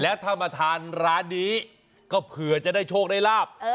แล้วถ้ามาทานร้านนี้ก็เผื่อจะได้โชคได้ลาบ